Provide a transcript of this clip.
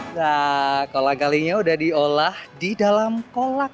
nah kolang kalingnya sudah diolah di dalam kolak